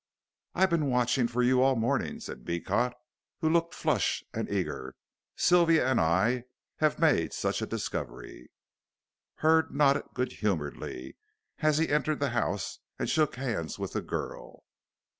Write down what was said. "I've been watching for you all the morning," said Beecot, who looked flushed and eager. "Sylvia and I have made such a discovery." Hurd nodded good humoredly as he entered the house and shook hands with the girl.